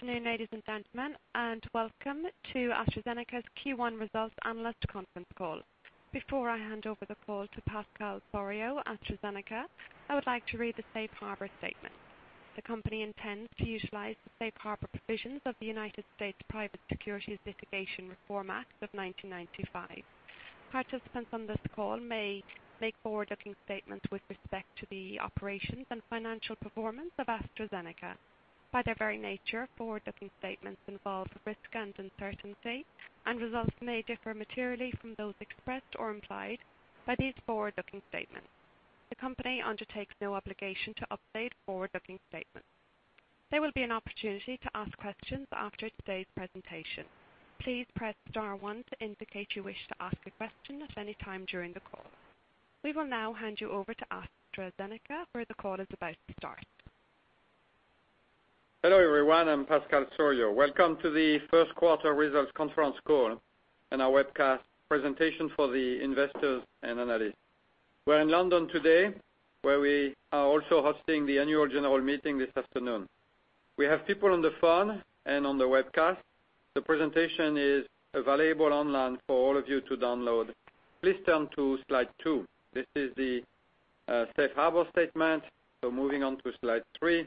Good afternoon, ladies and gentlemen, and welcome to AstraZeneca's Q1 Results Analyst Conference Call. Before I hand over the call to Pascal Soriot, I would like to read the safe harbor statement. The company intends to utilize the safe harbor provisions of the United States Private Securities Litigation Reform Act of 1995. Participants on this call may make forward-looking statements with respect to the operations and financial performance of AstraZeneca. By their very nature, forward-looking statements involve risk and uncertainty, and results may differ materially from those expressed or implied by these forward-looking statements. The company undertakes no obligation to update forward-looking statements. There will be an opportunity to ask questions after today's presentation. Please press star one to indicate you wish to ask a question at any time during the call. We will now hand you over to AstraZeneca, where the call is about to start. Hello, everyone. I'm Pascal Soriot. Welcome to the first quarter results conference call and our webcast presentation for the investors and analysts. We're in London today, where we are also hosting the annual general meeting this afternoon. We have people on the phone and on the webcast. The presentation is available online for all of you to download. Please turn to slide two. This is the safe harbor statement. Moving on to slide three.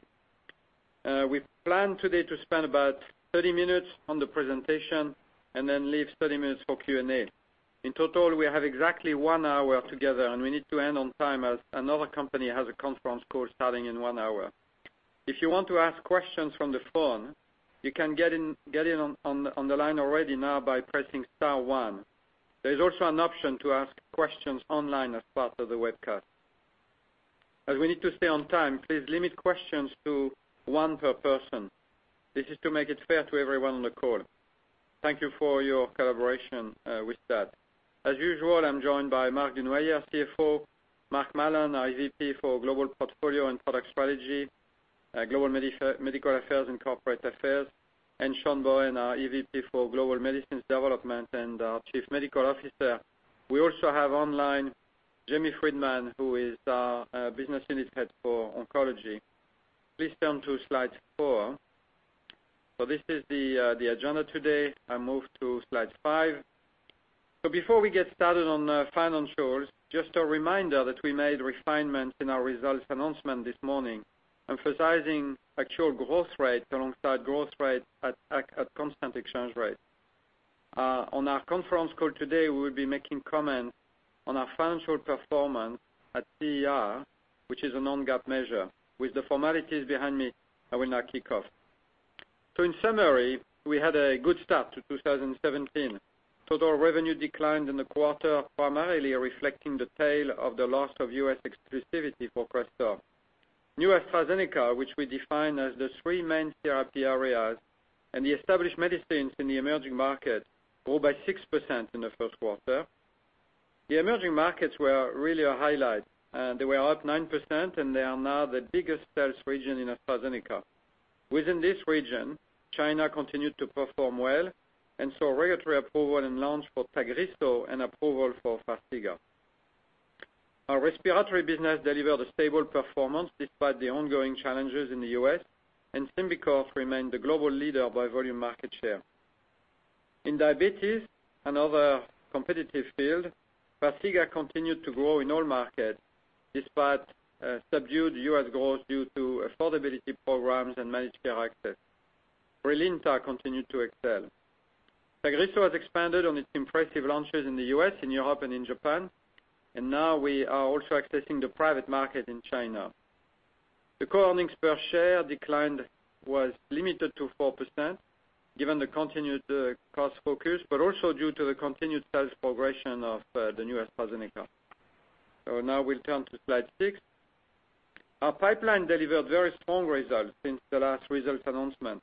We plan today to spend about 30 minutes on the presentation and then leave 30 minutes for Q&A. In total, we have exactly one hour together, and we need to end on time as another company has a conference call starting in one hour. If you want to ask questions from the phone, you can get in on the line already now by pressing star one. There is also an option to ask questions online as part of the webcast. As we need to stay on time, please limit questions to one per person. This is to make it fair to everyone on the call. Thank you for your collaboration with that. As usual, I'm joined by Marc Dunoyer, CFO, Mark Mallon, our EVP for Global Portfolio and Product Strategy, Global Medical Affairs and Corporate Affairs, and Sean Bohen, our EVP for Global Medicines Development and our Chief Medical Officer. We also have online Jamie Freedman, who is our Business Unit Head for Oncology. Please turn to slide four. This is the agenda today. I move to slide five. Before we get started on financials, just a reminder that we made refinements in our results announcement this morning, emphasizing actual growth rate alongside growth rate at constant exchange rate. On our conference call today, we will be making comments on our financial performance at CER, which is a non-GAAP measure. With the formalities behind me, I will now kick off. In summary, we had a good start to 2017. Total revenue declined in the quarter, primarily reflecting the tail of the loss of U.S. exclusivity for Crestor. New AstraZeneca, which we define as the three main therapy areas and the established medicines in the emerging market, grew by 6% in the first quarter. The emerging markets were really a highlight. They were up 9%, and they are now the biggest sales region in AstraZeneca. Within this region, China continued to perform well and saw regulatory approval and launch for TAGRISSO and approval for FARXIGA. Our respiratory business delivered a stable performance despite the ongoing challenges in the U.S., and SYMBICORT remained the global leader by volume market share. In diabetes, another competitive field, FARXIGA continued to grow in all markets, despite subdued U.S. growth due to affordability programs and managed care access. BRILINTA continued to excel. TAGRISSO has expanded on its impressive launches in the U.S., in Europe, and in Japan, and now we are also accessing the private market in China. The core earnings per share decline was limited to 4%, given the continued cost focus, but also due to the continued sales progression of the New AstraZeneca. Now we'll turn to slide six. Our pipeline delivered very strong results since the last results announcement.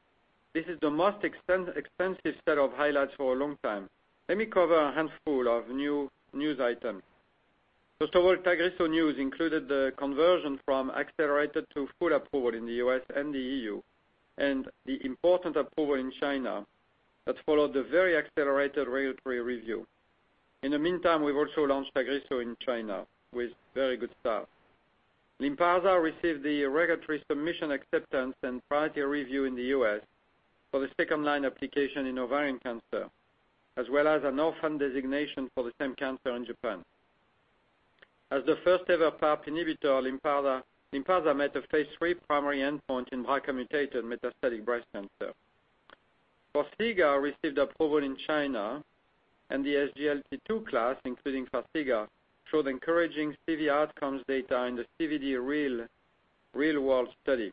This is the most extensive set of highlights for a long time. Let me cover a handful of news items. First of all, TAGRISSO news included the conversion from accelerated to full approval in the U.S. and the EU, and the important approval in China that followed a very accelerated regulatory review. In the meantime, we've also launched TAGRISSO in China with very good start. LYNPARZA received the regulatory submission acceptance and priority review in the U.S. for the second-line application in ovarian cancer, as well as an orphan designation for the same cancer in Japan. As the first-ever PARP inhibitor, LYNPARZA met the phase III primary endpoint in BRCA-mutated metastatic breast cancer. FARXIGA received approval in China, and the SGLT2 class, including FARXIGA, showed encouraging CV outcomes data in the CVD-REAL world study.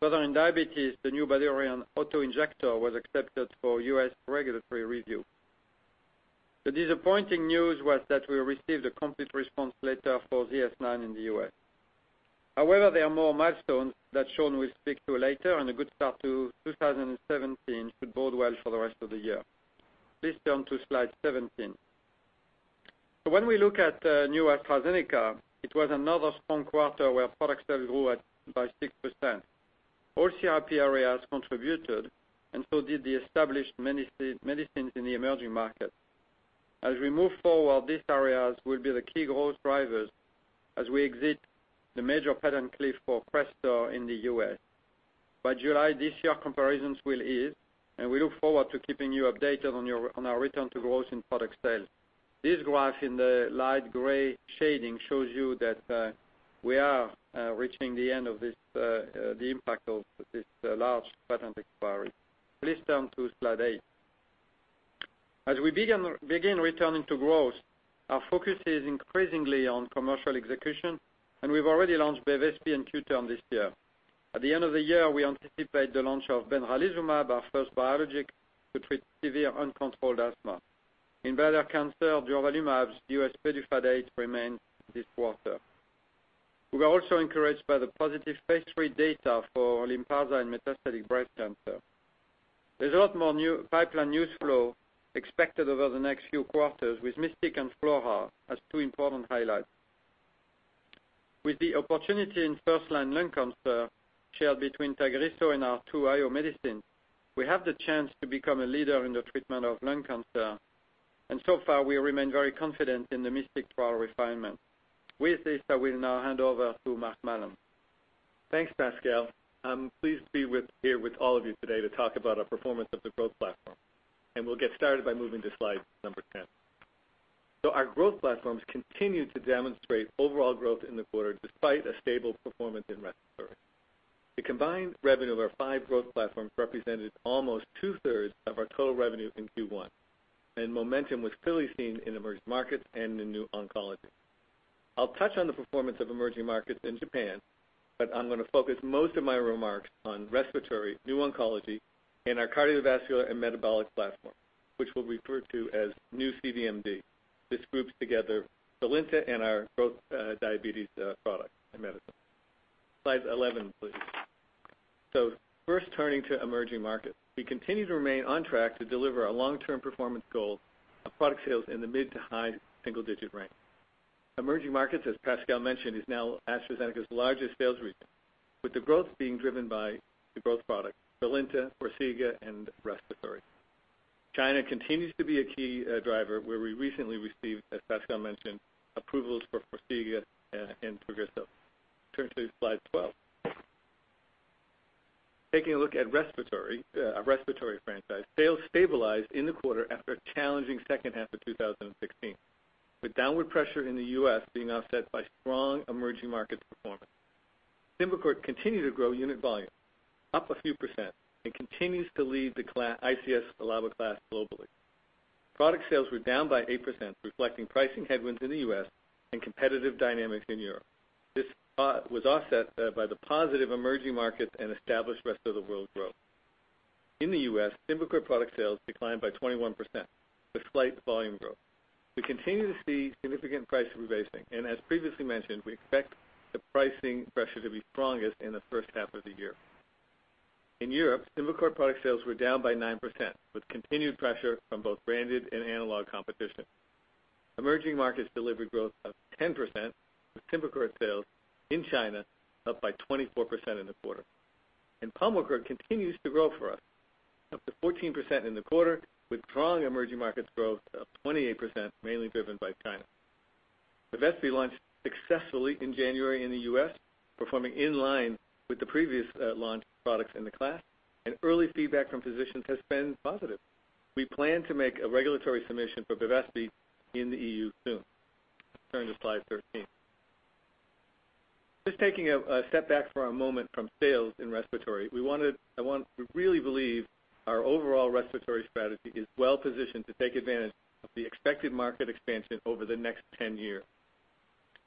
Further in diabetes, the new Bydureon auto-injector was accepted for U.S. regulatory review. The disappointing news was that we received a complete response letter for ZS-9 in the U.S. There are more milestones that Sean will speak to later and a good start to 2017 should bode well for the rest of the year. Please turn to slide 17. When we look at New AstraZeneca, it was another strong quarter where product sales grew by 6%. All CRP areas contributed, and so did the established medicines in the emerging market. As we move forward, these areas will be the key growth drivers as we exit the major patent cliff for Crestor in the U.S. By July this year, comparisons will ease, and we look forward to keeping you updated on our return to growth in product sales. This graph in the light gray shading shows you that we are reaching the end of the impact of this large patent expiry. Please turn to slide eight. We begin returning to growth, our focus is increasingly on commercial execution, and we've already launched Bevespi and QTERN this year. At the end of the year, we anticipate the launch of benralizumab, our first biologic to treat severe uncontrolled asthma. In bladder cancer, durvalumab's U.S. PDUFA date remains this quarter. We were also encouraged by the positive phase III data for LYNPARZA in metastatic breast cancer. There's a lot more pipeline newsflow expected over the next few quarters with MYSTIC and FLAURA as two important highlights. With the opportunity in first-line lung cancer shared between TAGRISSO and our two IO medicines, we have the chance to become a leader in the treatment of lung cancer, and so far, we remain very confident in the MYSTIC trial refinement. With this, I will now hand over to Mark Mallon. Thanks, Pascal. I'm pleased to be here with all of you today to talk about our performance of the growth platform. We'll get started by moving to slide number 10. Our growth platforms continued to demonstrate overall growth in the quarter, despite a stable performance in respiratory. The combined revenue of our five growth platforms represented almost two-thirds of our total revenue in Q1, and momentum was clearly seen in emerging markets and in new oncology. I'll touch on the performance of emerging markets in Japan, but I'm going to focus most of my remarks on respiratory, new oncology, and our cardiovascular and metabolic platform, which we'll refer to as New CVMD. This groups together BRILINTA and our growth diabetes product and medicine. Slide 11, please. We continue to remain on track to deliver our long-term performance goal of product sales in the mid to high single-digit range. Emerging markets, as Pascal mentioned, is now AstraZeneca's largest sales region, with the growth being driven by the growth product BRILINTA, FARXIGA, and respiratory. China continues to be a key driver, where we recently received, as Pascal mentioned, approvals for FARXIGA and TAGRISSO. Turn to slide 12. Taking a look at respiratory franchise, sales stabilized in the quarter after a challenging second half of 2016, with downward pressure in the U.S. being offset by strong emerging market performance. SYMBICORT continued to grow unit volume, up a few percent, and continues to lead the ICS/LABA class globally. Product sales were down by 8%, reflecting pricing headwinds in the U.S. and competitive dynamics in Europe. This was offset by the positive emerging markets and established rest-of-the-world growth. In the U.S., SYMBICORT product sales declined by 21%, with slight volume growth. We continue to see significant price rebasing, and as previously mentioned, we expect the pricing pressure to be strongest in the first half of the year. In Europe, SYMBICORT product sales were down by 9%, with continued pressure from both branded and analog competition. Emerging markets delivered growth of 10%, with SYMBICORT sales in China up by 24% in the quarter. Pulmicort continues to grow for us, up to 14% in the quarter, with strong emerging markets growth of 28%, mainly driven by China. Bevespi launched successfully in January in the U.S., performing in line with the previous launch products in the class, and early feedback from physicians has been positive. We plan to make a regulatory submission for Bevespi in the E.U. soon. Turn to slide 13. Just taking a step back for a moment from sales in respiratory, we really believe our overall respiratory strategy is well-positioned to take advantage of the expected market expansion over the next 10 years.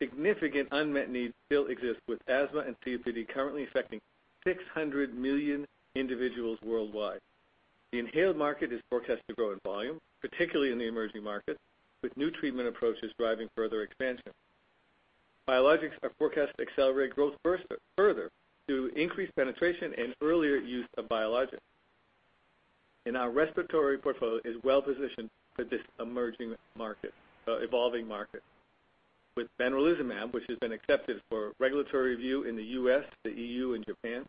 Significant unmet need still exists, with asthma and COPD currently affecting 600 million individuals worldwide. The inhaled market is forecast to grow in volume, particularly in the emerging markets, with new treatment approaches driving further expansion. Biologics are forecast to accelerate growth further through increased penetration and earlier use of biologics. Our respiratory portfolio is well positioned for this evolving market. With benralizumab, which has been accepted for regulatory review in the U.S., the E.U., and Japan,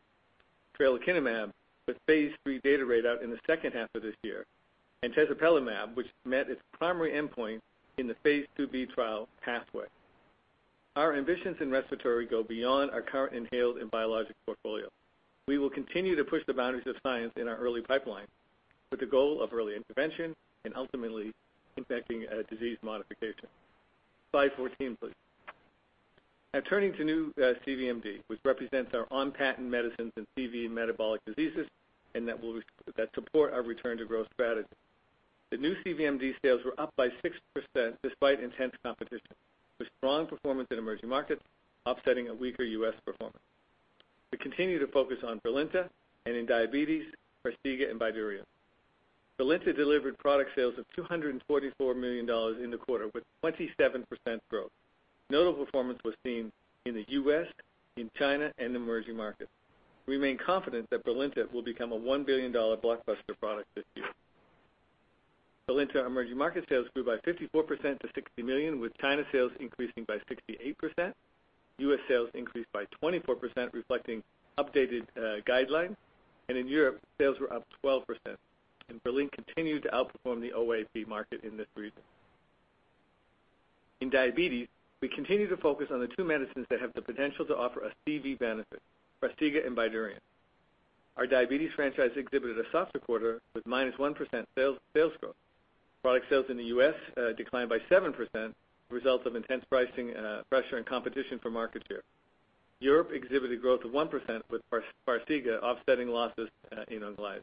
tralokinumab, with phase III data read out in the second half of this year, and tezepelumab, which met its primary endpoint in the phase II-B trial PATHWAY. Our ambitions in respiratory go beyond our current inhaled and biologic portfolio. We will continue to push the boundaries of science in our early pipeline, with the goal of early intervention and ultimately impacting disease modification. Slide 14, please. Turning to New CVMD, which represents our on-patent medicines in CV metabolic diseases, and that support our return to growth strategy. The New CVMD sales were up by 6% despite intense competition, with strong performance in emerging markets offsetting a weaker U.S. performance. We continue to focus on BRILINTA, and in diabetes, FARXIGA and Bydureon. BRILINTA delivered product sales of $244 million in the quarter, with 27% growth. Notable performance was seen in the U.S., in China, and emerging markets. We remain confident that BRILINTA will become a $1 billion blockbuster product this year. BRILINTA emerging market sales grew by 54% to $60 million, with China sales increasing by 68%. U.S. sales increased by 24%, reflecting updated guideline. In Europe, sales were up 12%. BRILINTA continued to outperform the OAC market in this region. In diabetes, we continue to focus on the two medicines that have the potential to offer a CV benefit, FARXIGA and Bydureon. Our diabetes franchise exhibited a soft quarter with minus 1% sales growth. Product sales in the U.S. declined by 7%, result of intense pricing pressure and competition for market share. Europe exhibited growth of 1% with FARXIGA offsetting losses in Onglyza.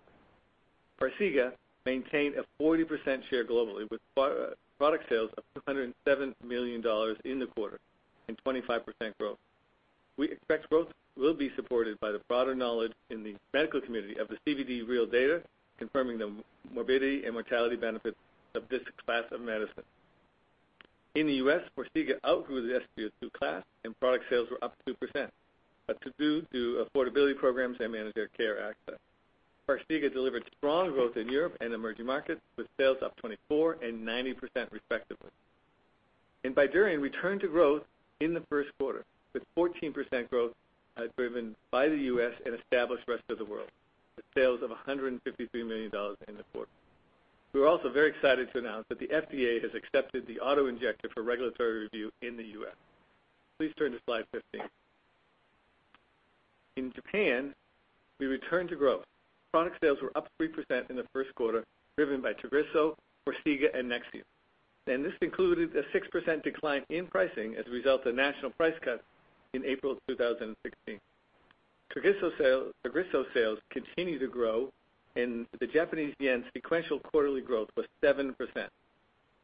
FARXIGA maintained a 40% share globally with product sales of $207 million in the quarter and 25% growth. We expect growth will be supported by the broader knowledge in the medical community of the CVD-REAL data, confirming the morbidity and mortality benefits of this class of medicine. In the U.S., FARXIGA outgrew the SGLT2 class, and product sales were up 2%, due to affordability programs and managed care access. FARXIGA delivered strong growth in Europe and emerging markets, with sales up 24% and 90% respectively. In Bydureon, we returned to growth in the first quarter, with 14% growth driven by the U.S. and established rest of the world, with sales of $153 million in the quarter. We are also very excited to announce that the FDA has accepted the auto-injector for regulatory review in the U.S. Please turn to slide 15. In Japan, we returned to growth. Product sales were up 3% in the first quarter, driven by TAGRISSO, FARXIGA and Nexium. This included a 6% decline in pricing as a result of national price cut in April 2016. TAGRISSO sales continue to grow, and the Japanese yen sequential quarterly growth was 7%.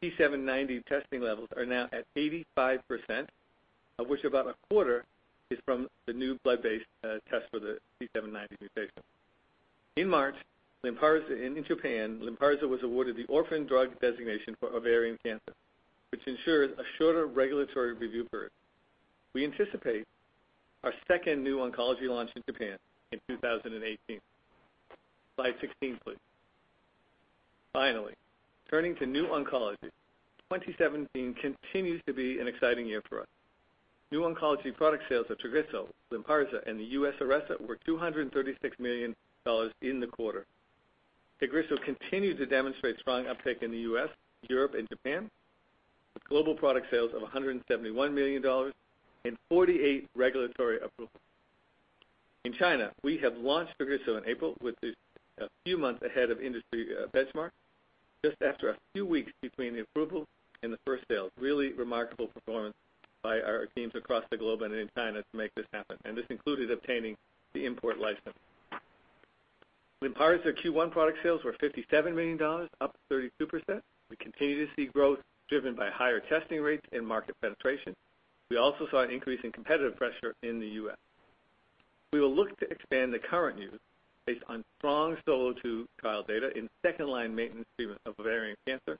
T790M testing levels are now at 85%, of which about a quarter is from the new blood-based test for the T790M mutation. In March, in Japan, LYNPARZA was awarded the orphan drug designation for ovarian cancer, which ensures a shorter regulatory review period. We anticipate our second new oncology launch in Japan in 2018. Slide 16, please. Turning to new oncology. 2017 continues to be an exciting year for us. New oncology product sales of TAGRISSO, LYNPARZA and the U.S. Iressa were $236 million in the quarter. TAGRISSO continues to demonstrate strong uptick in the U.S., Europe and Japan, with global product sales of $171 million and 48 regulatory approvals. In China, we have launched TAGRISSO in April, a few months ahead of industry benchmark, just after a few weeks between the approval and the first sale. Really remarkable performance by our teams across the globe and in China to make this happen. This included obtaining the import license. LYNPARZA Q1 product sales were $57 million, up 32%. We continue to see growth driven by higher testing rates and market penetration. We also saw an increase in competitive pressure in the U.S. We will look to expand the current use based on strong SOLO2 trial data in second-line maintenance treatment of ovarian cancer,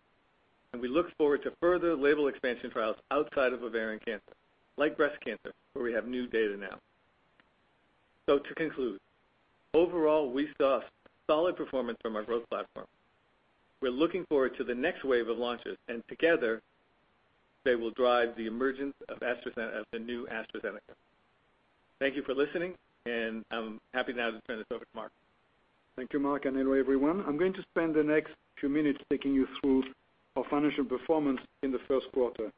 and we look forward to further label expansion trials outside of ovarian cancer, like breast cancer, where we have new data now. To conclude, overall, we saw solid performance from our growth platform. We're looking forward to the next wave of launches, and together they will drive the emergence of the New AstraZeneca. Thank you for listening, and I'm happy now to turn this over to Marc. Thank you, Marc, and hello everyone. I'm going to spend the next few minutes taking you through our financial performance in the first quarter.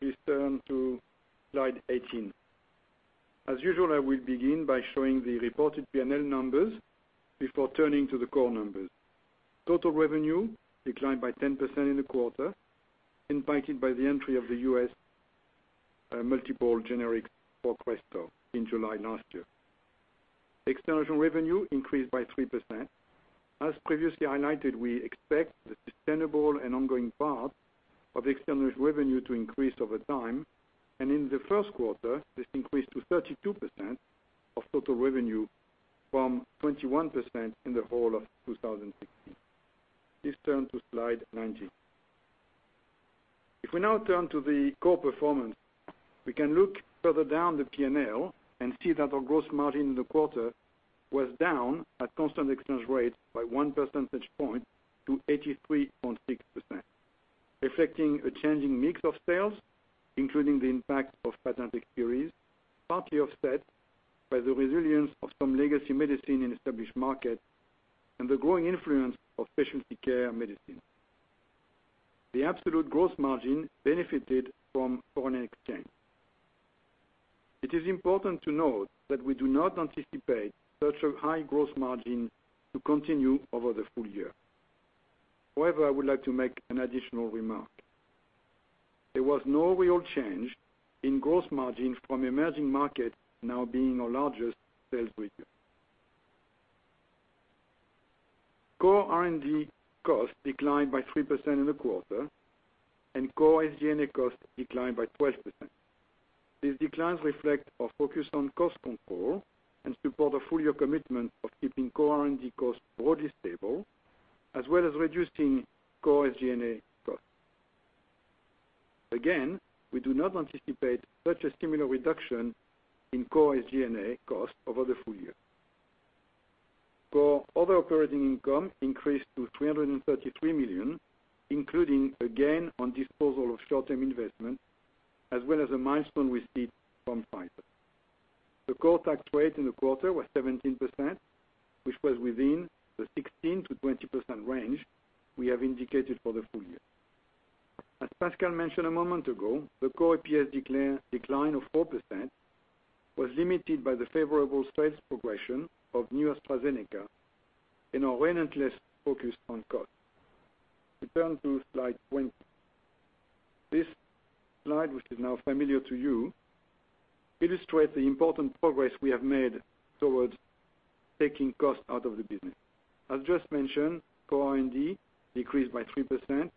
Please turn to slide 18. As usual, I will begin by showing the reported P&L numbers before turning to the core numbers. Total revenue declined by 10% in the quarter, impacted by the entry of the U.S. multiple generic for Crestor in July last year. External revenue increased by 3%. As previously highlighted, we expect the sustainable and ongoing path of external revenue to increase over time. In the first quarter, this increased to 32% of total revenue from 21% in the whole of 2016. Please turn to slide 19. If we now turn to the core performance, we can look further down the P&L and see that our gross margin in the quarter was down at constant exchange rate by one percentage point to 83.6%, reflecting a changing mix of sales, including the impact of patent expiries, partly offset by the resilience of some legacy medicine in established markets and the growing influence of specialty care medicine. The absolute gross margin benefited from foreign exchange. It is important to note that we do not anticipate such a high gross margin to continue over the full year. However, I would like to make an additional remark. There was no real change in gross margin from emerging markets now being our largest sales region. Core R&D costs declined by 3% in the quarter. Core SG&A costs declined by 12%. These declines reflect our focus on cost control and support a full year commitment of keeping core R&D costs broadly stable, as well as reducing core SG&A costs. Again, we do not anticipate such a similar reduction in core SG&A costs over the full year. Core other operating income increased to $333 million, including a gain on disposal of short-term investment, as well as a milestone received from Pfizer. The core tax rate in the quarter was 17%, which was within the 16%-20% range we have indicated for the full year. As Pascal mentioned a moment ago, the core EPS decline of 4% was limited by the favorable sales progression of New AstraZeneca and our relentless focus on cost. We turn to slide 20. This slide, which is now familiar to you, illustrates the important progress we have made towards taking costs out of the business. As just mentioned, core R&D decreased by 3%,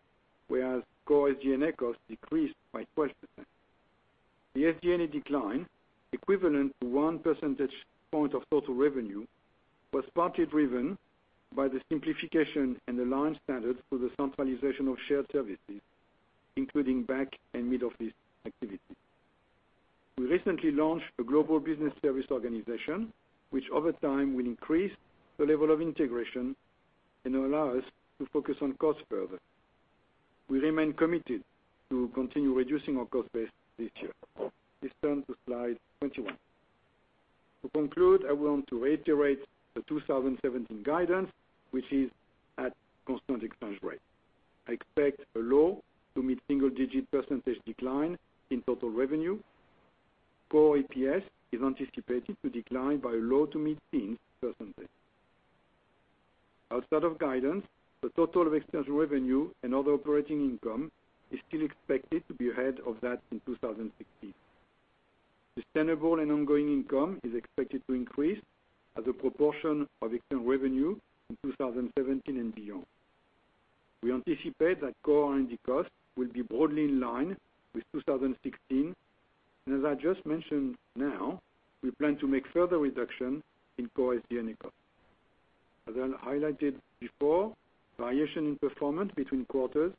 whereas core SG&A costs decreased by 12%. The SG&A decline, equivalent to one percentage point of total revenue, was partly driven by the simplification and aligned standards for the centralization of shared services, including back and middle office activities. We recently launched a global business service organization, which over time will increase the level of integration and allow us to focus on costs further. We remain committed to continue reducing our cost base this year. Please turn to slide 21. To conclude, I want to reiterate the 2017 guidance, which is at constant exchange rate. I expect a low- to mid-single-digit percentage decline in total revenue. Core EPS is anticipated to decline by low- to mid-single percentage. Outside of guidance, the total exchange revenue and other operating income is still expected to be ahead of that in 2016. Sustainable and ongoing income is expected to increase as a proportion of external revenue in 2017 and beyond. We anticipate that core R&D costs will be broadly in line with 2016, and as I just mentioned now, we plan to make further reduction in core SG&A costs. As I highlighted before, variation in performance between quarters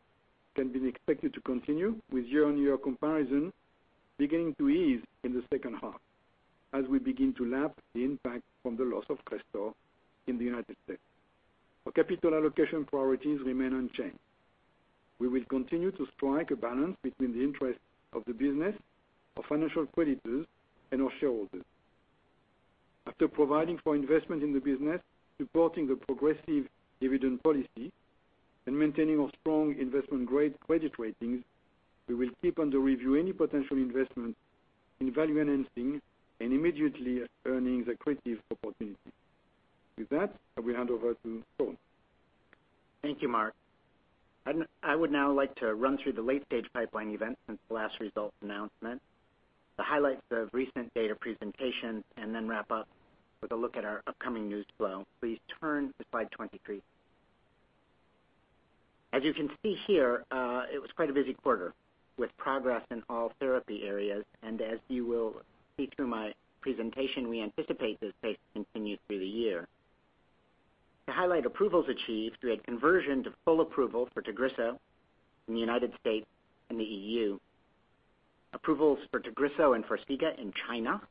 can be expected to continue, with year-on-year comparison beginning to ease in the second half as we begin to lap the impact from the loss of Crestor in the United States. Our capital allocation priorities remain unchanged. We will continue to strike a balance between the interests of the business, our financial creditors, and our shareholders. After providing for investment in the business, supporting a progressive dividend policy, and maintaining our strong investment-grade credit ratings, we will keep under review any potential investment in value-enhancing and immediately earnings accretive opportunities. With that, I will hand over to Bohen. Thank you, Marc. I would now like to run through the late-stage pipeline events since the last result announcement, the highlights of recent data presentation, and then wrap up with a look at our upcoming news flow. Please turn to slide 23. As you can see here, it was quite a busy quarter, with progress in all therapy areas, and as you will see through my presentation, we anticipate this pace to continue through the year. To highlight approvals achieved, we had conversion to full approval for TAGRISSO in the United States and the EU, approvals for TAGRISSO and FARXIGA in China.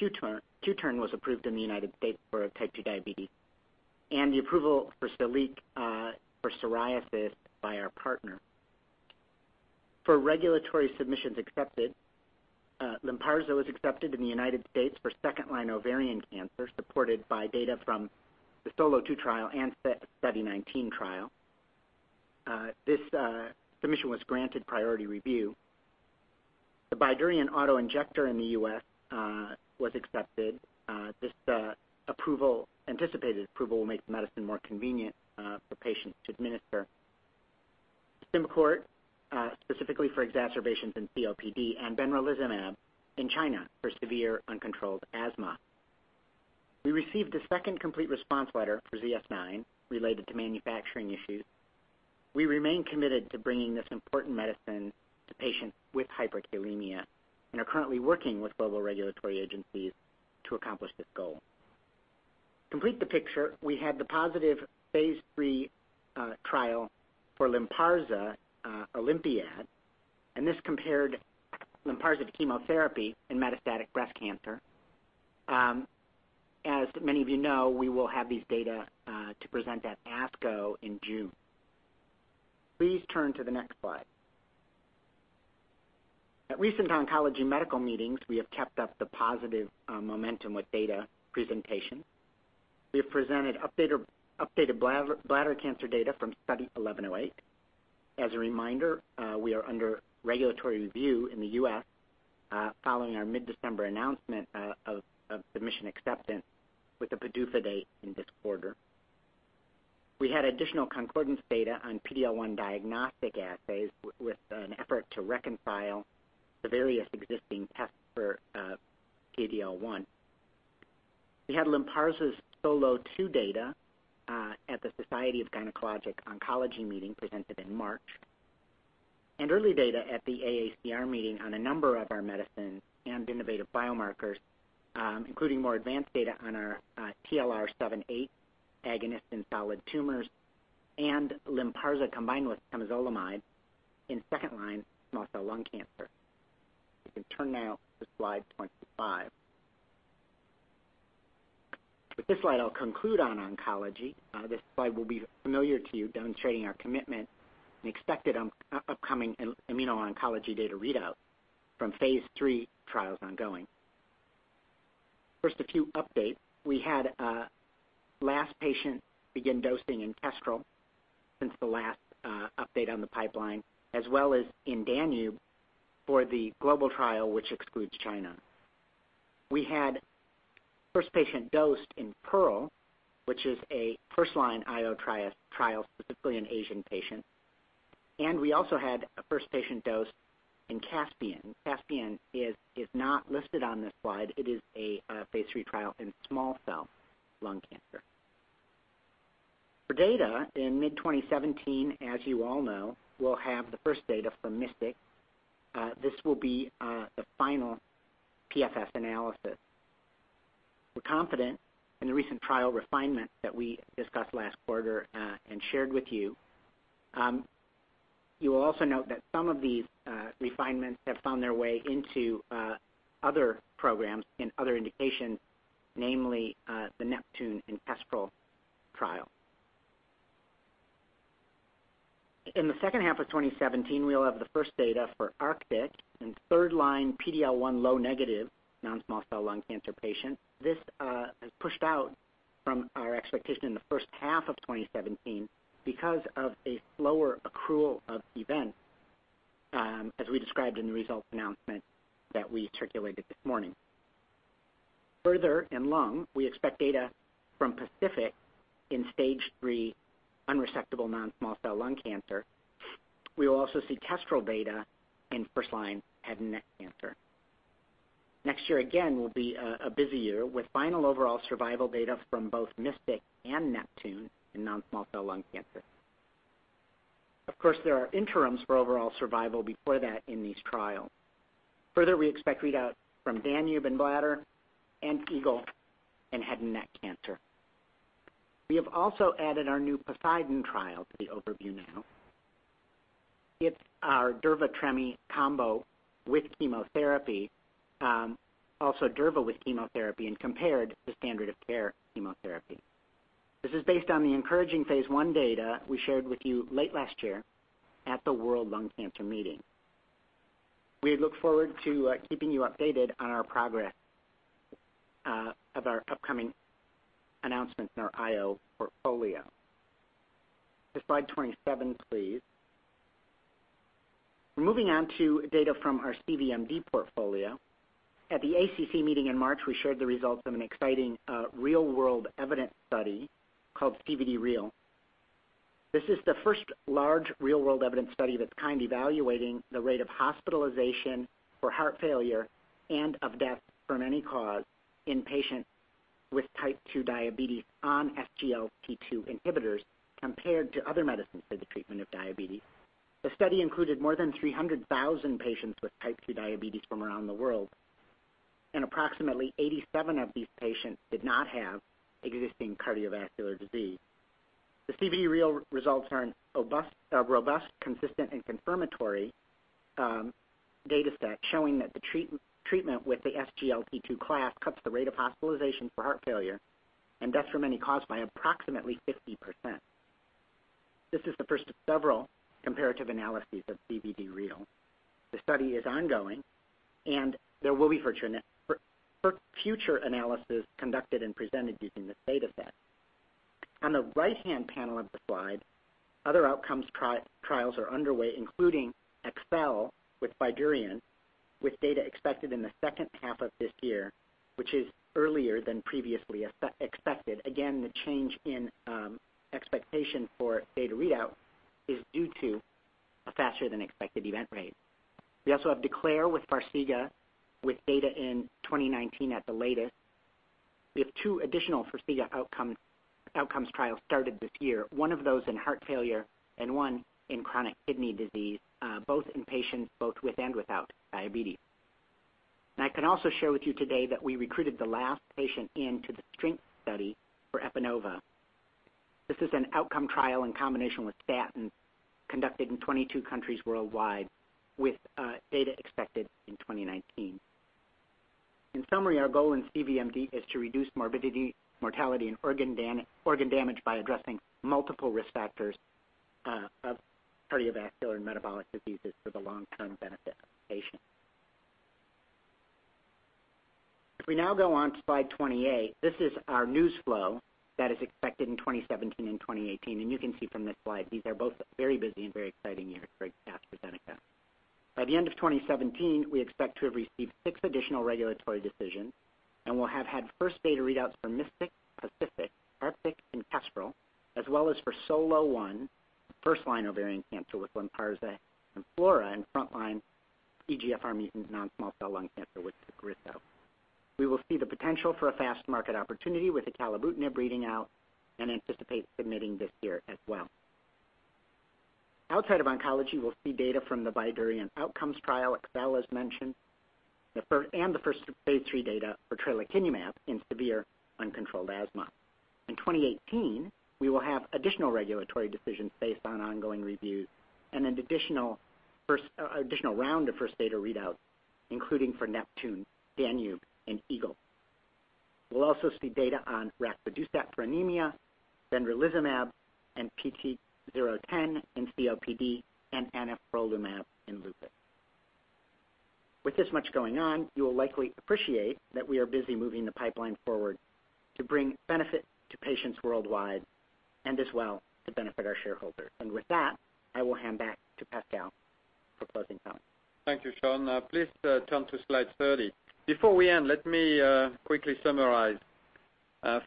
QTERN was approved in the United States for type 2 diabetes, and the approval for Siliq for psoriasis by our partner. For regulatory submissions accepted, LYNPARZA was accepted in the United States for second-line ovarian cancer, supported by data from the SOLO2 trial and Study 19 trial. This submission was granted priority review. The Bydureon auto-injector in the U.S. was accepted. This anticipated approval will make the medicine more convenient for patients to administer. SYMBICORT, specifically for exacerbations in COPD, and benralizumab in China for severe uncontrolled asthma. We received a second complete response letter for ZS-9 related to manufacturing issues. We remain committed to bringing this important medicine to patients with hyperkalemia and are currently working with global regulatory agencies to accomplish this goal. To complete the picture, we had the positive phase III trial for LYNPARZA OlympiAD. This compared LYNPARZA to chemotherapy in metastatic breast cancer. As many of you know, we will have these data to present at ASCO in June. Please turn to the next slide. At recent oncology medical meetings, we have kept up the positive momentum with data presentation. We have presented updated bladder cancer data from Study 1108. As a reminder, we are under regulatory review in the U.S. following our mid-December announcement of submission acceptance with the PDUFA date in this quarter. We had additional concordance data on PD-L1 diagnostic assays with an effort to reconcile the various existing tests for PD-L1. We had LYNPARZA's SOLO2 data at the Society of Gynecologic Oncology meeting presented in March. Early data at the AACR meeting on a number of our medicines and innovative biomarkers, including more advanced data on our TLR7,8 agonist in solid tumors and LYNPARZA combined with temozolomide in second-line non-small cell lung cancer. You can turn now to slide 25. With this slide, I'll conclude on oncology. This slide will be familiar to you, demonstrating our commitment and expected upcoming immuno-oncology data readout from phase III trials ongoing. First, a few updates. We had last patient begin dosing in KESTREL since the last update on the pipeline, as well as in DANUBE for the global trial, which excludes China. We had first patient dosed in PEARL, which is a first-line IO trial, specifically in Asian patients. We also had a first patient dosed in CASPIAN. CASPIAN is not listed on this slide. It is a phase III trial in small cell lung cancer. For data in mid-2017, as you all know, we'll have the first data from MYSTIC. This will be the final PFS analysis. We're confident in the recent trial refinements that we discussed last quarter and shared with you. You will also note that some of these refinements have found their way into other programs in other indications, namely the NEPTUNE and KESTREL trial. In the second half of 2017, we'll have the first data for ARCTIC in third-line PD-L1 low negative non-small cell lung cancer patients. This has pushed out from our expectation in the first half of 2017 because of a slower accrual of events, as we described in the results announcement that we circulated this morning. Further in lung, we expect data from PACIFIC in stage 3 unresectable non-small cell lung cancer. We will also see KESTREL data in first-line head and neck cancer. Next year, again, will be a busy year with final overall survival data from both MYSTIC and NEPTUNE in non-small cell lung cancer. Of course, there are interims for overall survival before that in these trials. Further, we expect readouts from DANUBE in bladder and EAGLE in head and neck cancer. We have also added our new POSEIDON trial to the overview now. It's our durva/tremi combo with chemotherapy. Also durva with chemotherapy and compared to standard of care chemotherapy. This is based on the encouraging phase I data we shared with you late last year at the World Conference on Lung Cancer meeting. We look forward to keeping you updated on our progress of our upcoming announcements in our IO portfolio. To slide 27, please. Moving on to data from our CVMD portfolio. At the ACC meeting in March, we shared the results of an exciting real-world evidence study called CVD-REAL. This is the first large real-world evidence study of its kind evaluating the rate of hospitalization for heart failure and of death from any cause in patients with type 2 diabetes on SGLT2 inhibitors compared to other medicines for the treatment of diabetes. The study included more than 300,000 patients with type 2 diabetes from around the world, and approximately 87 of these patients did not have existing cardiovascular disease. The CVD-REAL results are a robust, consistent, and confirmatory dataset showing that the treatment with the SGLT2 class cuts the rate of hospitalization for heart failure and death from any cause by approximately 50%. This is the first of several comparative analyses of CVD-REAL. The study is ongoing and there will be future analysis conducted and presented using this dataset. On the right-hand panel of the slide, other outcomes trials are underway, including EXSCEL with Bydureon, with data expected in the second half of this year, which is earlier than previously expected. The change in expectation for data readout is due to a faster than expected event rate. We also have DECLARE with FARXIGA with data in 2019 at the latest. We have two additional FARXIGA outcomes trials started this year, one of those in heart failure and one in chronic kidney disease, both in patients both with and without diabetes. I can also share with you today that we recruited the last patient into the STRENGTH study for Epanova. This is an outcome trial in combination with statin conducted in 22 countries worldwide with data expected in 2019. In summary, our goal in CVMD is to reduce morbidity, mortality, and organ damage by addressing multiple risk factors of cardiovascular and metabolic diseases for the long-term benefit of patients. If we now go on to slide 28, this is our news flow that is expected in 2017 and 2018. You can see from this slide, these are both very busy and very exciting years for AstraZeneca. By the end of 2017, we expect to have received six additional regulatory decisions and will have had first data readouts for MYSTIC, PACIFIC, ARCTIC, and KESTREL, as well as for SOLO-1, first-line ovarian cancer with LYNPARZA and FLAURA in frontline EGFR mutant non-small cell lung cancer with TAGRISSO. We will see the potential for a fast market opportunity with a Calquence readout and anticipate submitting this year as well. Outside of oncology, we'll see data from the Bydureon outcomes trial, EXSCEL as mentioned, and the first phase III data for tralokinumab in severe uncontrolled asthma. In 2018, we will have additional regulatory decisions based on ongoing reviews and an additional round of first data readouts, including for NEPTUNE, DANUBE, and EAGLE. We'll also see data on roxadustat for anemia, benralizumab and PT010 in COPD, and anifrolumab in lupus. With this much going on, you will likely appreciate that we are busy moving the pipeline forward to bring benefit to patients worldwide, as well, to benefit our shareholders. With that, I will hand back to Pascal for closing comments. Thank you, Sean. Please turn to slide 30. Before we end, let me quickly summarize.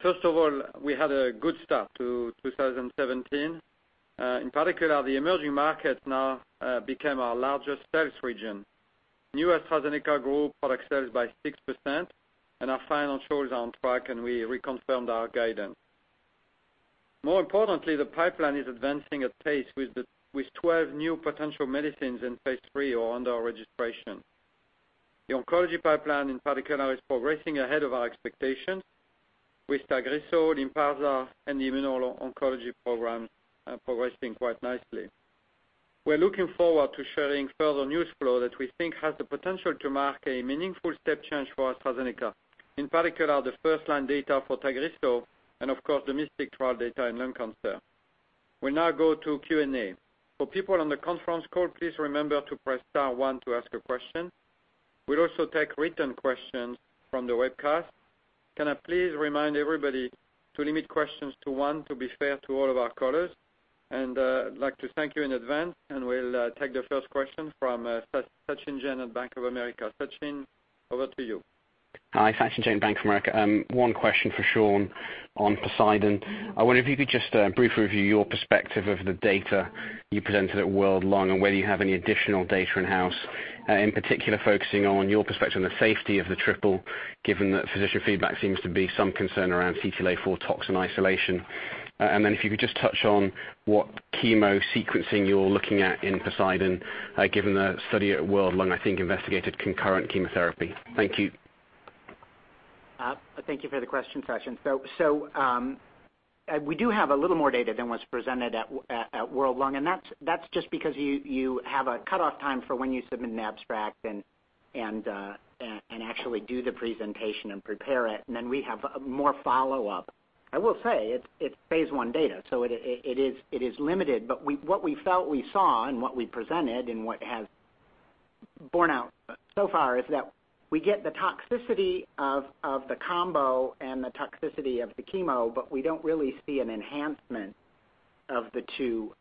First of all, we had a good start to 2017. In particular, the emerging markets now became our largest sales region. New AstraZeneca group product sales by 6%, and our financials are on track, and we reconfirmed our guidance. More importantly, the pipeline is advancing at pace with 12 new potential medicines in phase III or under registration. The oncology pipeline, in particular, is progressing ahead of our expectations with TAGRISSO, LYNPARZA, and the immuno-oncology program progressing quite nicely. We're looking forward to sharing further news flow that we think has the potential to mark a meaningful step change for AstraZeneca, in particular, the first-line data for TAGRISSO and, of course, the MYSTIC trial data in lung cancer. We'll now go to Q&A. For people on the conference call, please remember to press star one to ask a question. We'll also take written questions from the webcast. Can I please remind everybody to limit questions to one to be fair to all of our callers? I'd like to thank you in advance, and we'll take the first question from Sachin Jain at Bank of America. Sachin, over to you. Hi, Sachin Jain, Bank of America. One question for Sean on POSEIDON. I wonder if you could just briefly review your perspective of the data you presented at World Lung and whether you have any additional data in-house, in particular, focusing on your perspective on the safety of the triple, given that physician feedback seems to be some concern around CTLA-4 tox in isolation. Then if you could just touch on what chemo sequencing you're looking at in POSEIDON, given the study at World Lung, I think, investigated concurrent chemotherapy. Thank you. Thank you for the question, Sachin. We do have a little more data than what's presented at World Lung, and that's just because you have a cutoff time for when you submit an abstract and actually do the presentation and prepare it, and then we have more follow-up. I will say it's phase I data, so it is limited, but what we felt we saw and what we presented and what has borne out so far is that we get the toxicity of the combo and the toxicity of the chemo, but we don't really see an enhancement of the two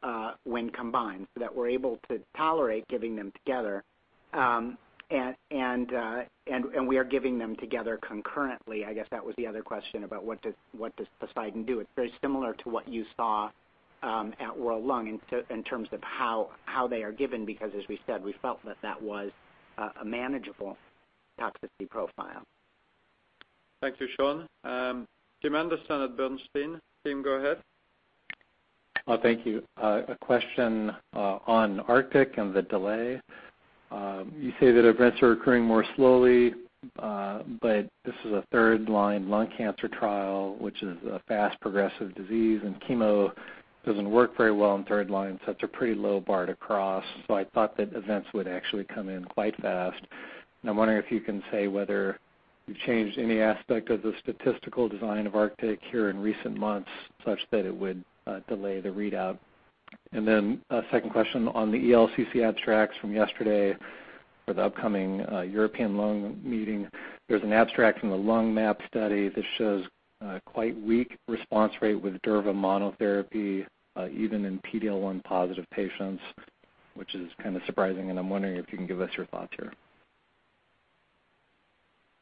when combined, so that we're able to tolerate giving them together. We are giving them together concurrently. I guess that was the other question about what does POSEIDON do. It's very similar to what you saw at World Lung in terms of how they are given, because as we said, we felt that that was a manageable toxicity profile. Thank you, Sean. Tim Anderson at Bernstein. Tim, go ahead. Thank you. A question on ARCTIC and the delay. You say that events are occurring more slowly, but this is a 3rd-line lung cancer trial, which is a fast progressive disease, and chemo doesn't work very well on 3rd-line, I thought that events would actually come in quite fast, and I'm wondering if you can say whether you've changed any aspect of the statistical design of ARCTIC here in recent months such that it would delay the readout. Then a second question on the ELCC abstracts from yesterday for the upcoming European Lung Meeting. There's an abstract from the Lung-MAP study that shows quite weak response rate with durva monotherapy even in PD-L1 positive patients, which is kind of surprising, and I'm wondering if you can give us your thoughts here.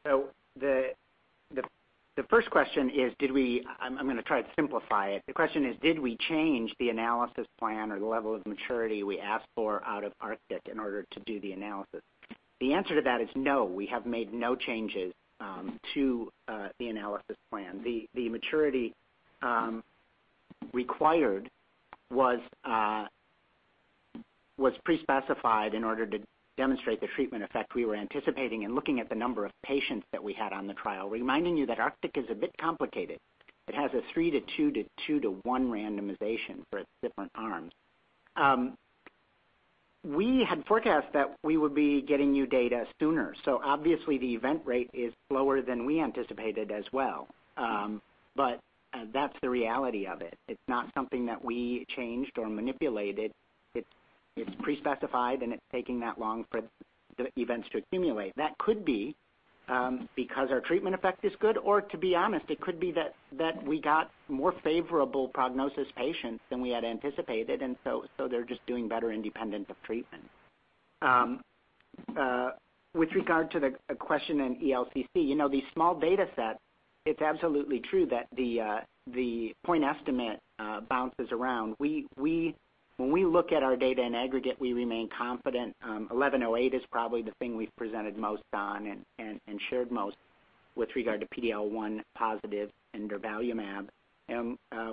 The first question is did we— I'm going to try to simplify it. The question is, did we change the analysis plan or the level of maturity we asked for out of ARCTIC in order to do the analysis? The answer to that is no. We have made no changes to the analysis plan. The maturity required was pre-specified in order to demonstrate the treatment effect we were anticipating and looking at the number of patients that we had on the trial, reminding you that ARCTIC is a bit complicated. It has a three to two to two to one randomization for its different arms. We had forecast that we would be getting new data sooner. Obviously the event rate is lower than we anticipated as well, but that's the reality of it. It's not something that we changed or manipulated. It's pre-specified, it's taking that long for the events to accumulate. That could be because our treatment effect is good, or to be honest, it could be that we got more favorable prognosis patients than we had anticipated, they're just doing better independent of treatment. With regard to the question in ELCC, these small data sets, it's absolutely true that the point estimate bounces around. When we look at our data in aggregate, we remain confident. 1108 is probably the thing we've presented most on and shared most with regard to PD-L1 positive and durvalumab,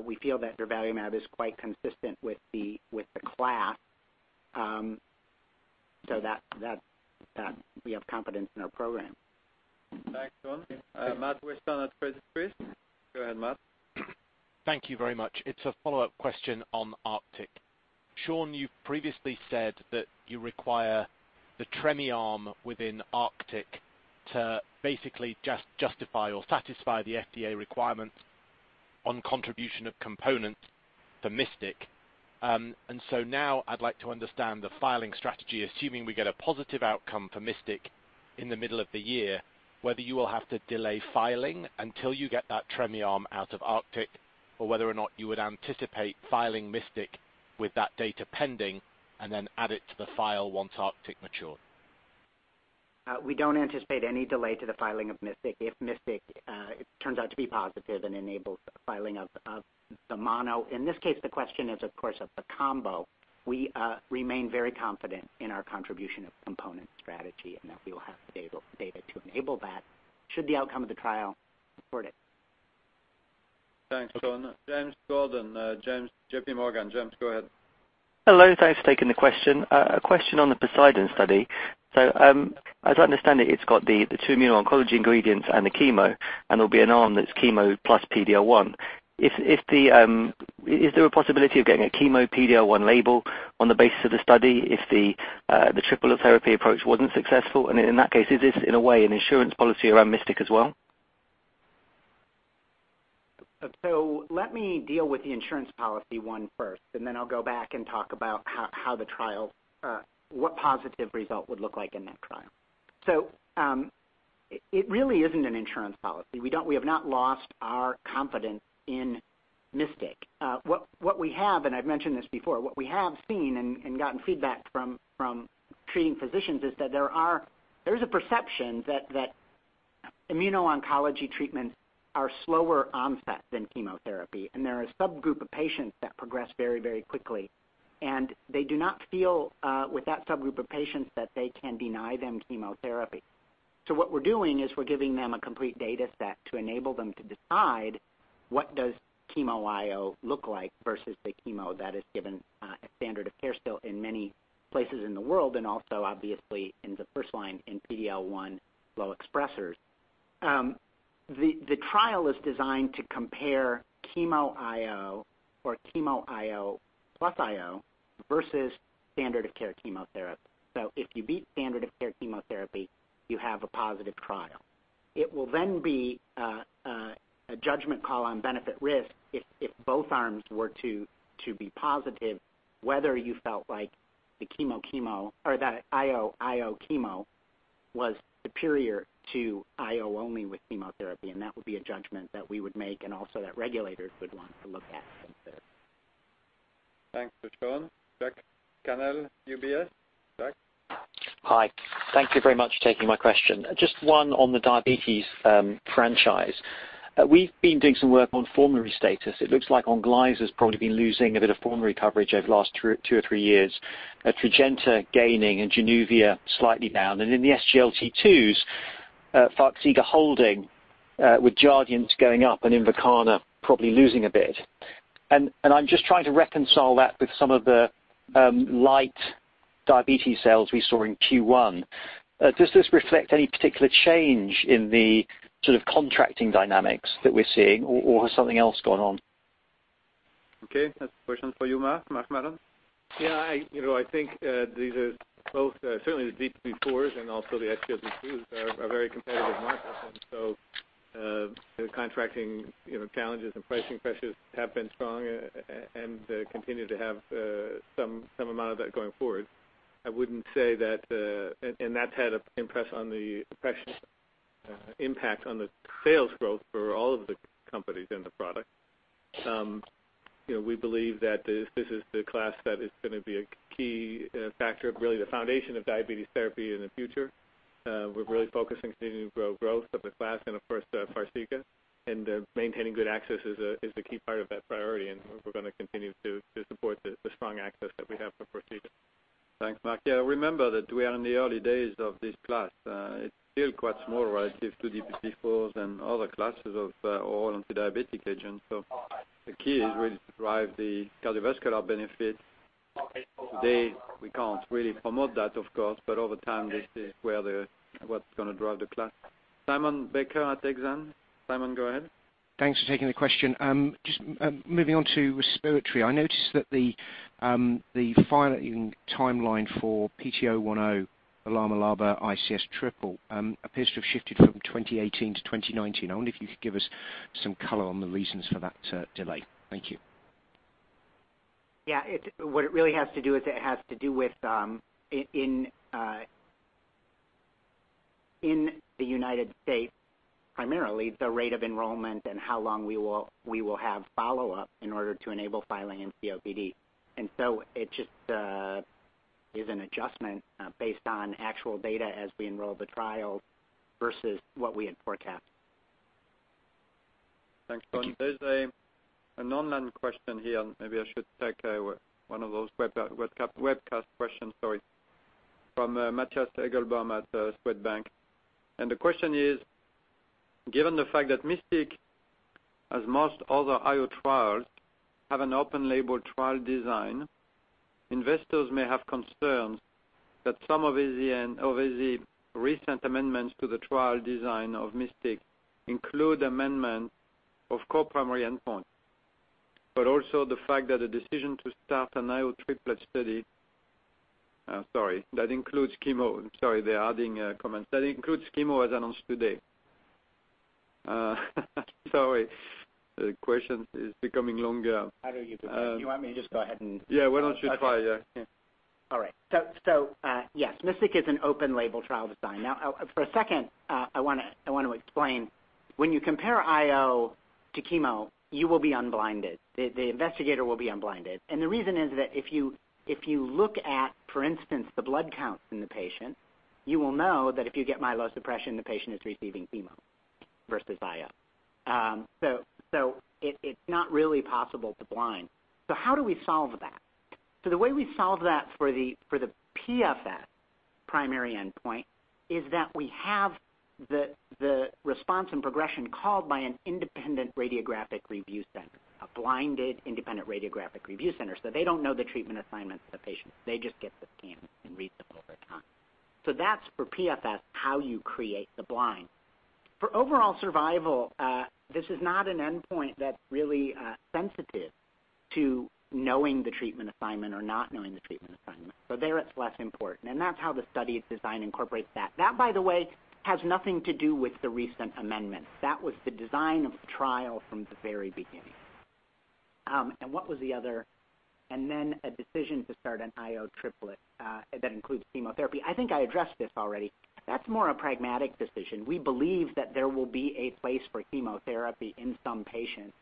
we feel that durvalumab is quite consistent with the class. That we have confidence in our program. Thanks, Sean. Matthew Weston at Credit Suisse. Go ahead, Matt. Thank you very much. It's a follow-up question on ARCTIC. Sean, you've previously said that you require the tremelimumab arm within ARCTIC to basically just justify or satisfy the FDA requirements on contribution of components for MYSTIC. Now I'd like to understand the filing strategy, assuming we get a positive outcome for MYSTIC in the middle of the year, whether you will have to delay filing until you get that tremelimumab arm out of ARCTIC, or whether or not you would anticipate filing MYSTIC with that data pending, then add it to the file once ARCTIC matures. We don't anticipate any delay to the filing of MYSTIC. If MYSTIC turns out to be positive and enables the filing of the mono. In this case, the question is, of course, of the combo. We remain very confident in our contribution of component strategy and that we will have the data to enable that should the outcome of the trial support it. Thanks, Sean. James Gordon. James, JPMorgan. James, go ahead. Hello, thanks for taking the question. As I understand it's got the two immuno-oncology ingredients and the chemo, and there'll be an arm that's chemo plus PD-L1. Is there a possibility of getting a chemo PD-L1 label on the basis of the study if the triple therapy approach wasn't successful? In that case, is this in a way an insurance policy around MYSTIC as well? Let me deal with the insurance policy one first, then I'll go back and talk about what a positive result would look like in that trial. It really isn't an insurance policy. We have not lost our confidence in MYSTIC. What we have, and I've mentioned this before, what we have seen and gotten feedback from treating physicians is that there is a perception that immuno-oncology treatments are slower onset than chemotherapy, there are a subgroup of patients that progress very quickly. They do not feel, with that subgroup of patients, that they can deny them chemotherapy. What we're doing is we're giving them a complete data set to enable them to decide what does chemo IO look like versus the chemo that is given a standard of care still in many places in the world, and also obviously in the first line in PD-L1 low expressers. The trial is designed to compare chemo IO or chemo IO plus IO versus standard of care chemotherapy. If you beat standard of care chemotherapy, you have a positive trial. It will then be a judgment call on benefit risk if both arms were to be positive, whether you felt like the chemo chemo or that IO chemo was superior to IO only with chemotherapy, and that would be a judgment that we would make and also that regulators would want to look at. Thanks, Sean. Jack Scannell, UBS. Jack? Hi. Thank you very much for taking my question. Just one on the diabetes franchise. We've been doing some work on formulary status. It looks like Onglyza's probably been losing a bit of formulary coverage over the last two or three years. Trajenta gaining and Januvia slightly down. In the SGLT2s, FARXIGA holding, with Jardiance going up and Invokana probably losing a bit. I'm just trying to reconcile that with some of the light diabetes sales we saw in Q1. Does this reflect any particular change in the sort of contracting dynamics that we're seeing, or has something else gone on? Okay. That's a question for you, Marc. Mark Mallon? I think these are both, certainly the DPP-4s and also the SGLT2s are very competitive markets. The contracting challenges and pricing pressures have been strong and continue to have some amount of that going forward. That's had an impact on the sales growth for all of the companies in the product. We believe that this is the class that is going to be a key factor of really the foundation of diabetes therapy in the future. We're really focusing on continuing to grow growth of the class and of course, FARXIGA. Maintaining good access is a key part of that priority, and we're going to continue to support the strong access that we have for FARXIGA. Thanks, Marc. Remember that we are in the early days of this class. It's still quite small relative to DPP-4s and other classes of oral anti-diabetic agents. The key is really to drive the cardiovascular benefits. Today, we can't really promote that, of course, but over time, this is what's going to drive the class. Simon Baker at Exane. Simon, go ahead. Thanks for taking the question. Just moving on to respiratory, I noticed that the filing timeline for PT010 ICS triple appears to have shifted from 2018 to 2019. I wonder if you could give us some color on the reasons for that delay. Thank you. What it really has to do with, in the United States, primarily the rate of enrollment and how long we will have follow-up in order to enable filing in COPD. It just is an adjustment based on actual data as we enroll the trial versus what we had forecast. Thanks, Sean. There is an online question here. Maybe I should take one of those webcast questions, sorry, from Mattias Häggblom at Swedbank. The question is, given the fact that MYSTIC, as most other IO trials, have an open label trial design, investors may have concerns that some of the recent amendments to the trial design of MYSTIC include amendment of core primary endpoint, but also the fact that a decision to start an IO triplet study. I am sorry, that includes chemo. I am sorry, they are adding a comment. That includes chemo as announced today. Sorry. The question is becoming longer. I know you do. You want me to just go ahead and- Yeah, why do not you try? Yeah. All right. Yes, MYSTIC is an open label trial design. Now, for a second, I want to explain, when you compare IO to chemo, you will be unblinded. The investigator will be unblinded. The reason is that if you look at, for instance, the blood counts in the patient, you will know that if you get myelosuppression, the patient is receiving chemo versus IO. It is not really possible to blind. How do we solve that? The way we solve that for the PFS primary endpoint is that we have the response and progression called by an independent radiographic review center, a blinded independent radiographic review center. They do not know the treatment assignments of the patient. They just get the scans and read them over time. That is for PFS, how you create the blind. For overall survival, this is not an endpoint that's really sensitive to knowing the treatment assignment or not knowing the treatment assignment. There, it's less important, and that's how the study's design incorporates that. By the way, has nothing to do with the recent amendment. That was the design of the trial from the very beginning. A decision to start an IO triplet that includes chemotherapy. I think I addressed this already. That's more a pragmatic decision. We believe that there will be a place for chemotherapy in some patients